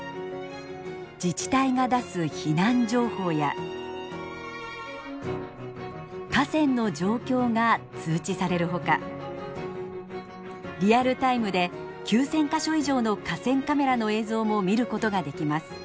自治体が出す避難情報や河川の状況が通知されるほかリアルタイムで９，０００か所以上の河川カメラの映像も見ることができます。